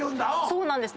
そうなんです。